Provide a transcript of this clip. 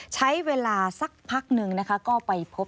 ใช้เวลาสักพักหนึ่งนะคะก็ไปพบ